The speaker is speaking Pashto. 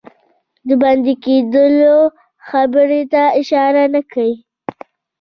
د بندي کېدلو خبري ته اشاره نه کوي.